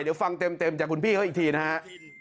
เดี๋ยวฟังเต็มจากคุณพี่เขาอีกทีนะฮะ